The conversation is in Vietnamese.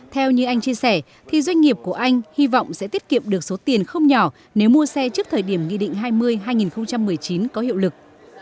theo như anh chia sẻ thì doanh nghiệp của anh hy vọng sẽ tiết kiệm được số tiền không nhỏ nếu mua xe trước thời điểm nghị định hai mươi hai nghìn một mươi chín có hiệu lực